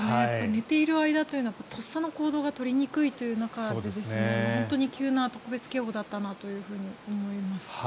寝ている間というのはとっさの行動が取りにくい中で本当に急な特別警報だったなというふうに思います。